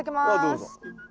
どうぞ。